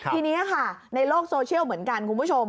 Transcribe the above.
ทีนี้ค่ะในโลกโซเชียลเหมือนกันคุณผู้ชม